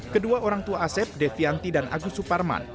kedua orang tua asep devianti dan agus suparman